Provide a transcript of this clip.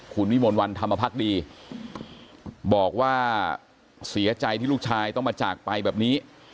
คุณวิมลวันธรรมพักดีบอกว่าเสียใจที่ลูกชายต้องมาจากไปแบบนี้